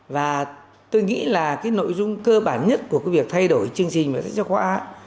và tôi nghĩ là cái nội dung cơ bản nhất của cái việc thay đổi chương trình mà sách giáo khoa